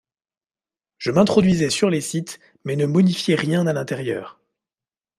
Je m’introduisais sur les sites mais je ne modifiais rien à l’intérieur.